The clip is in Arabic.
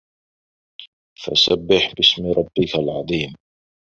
فَسَبِّح بِاسمِ رَبِّكَ العَظيمِ